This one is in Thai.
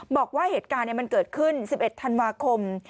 บอกว่าเหตุการณ์มันเกิดขึ้น๑๑ธันวาคม